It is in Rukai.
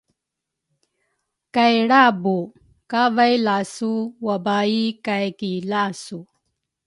kay lrabu, kavay lasu wabaai kay ki lasu.